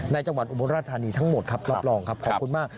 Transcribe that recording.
จังหวัดอุบลราชธานีทั้งหมดครับรับรองครับขอบคุณมาก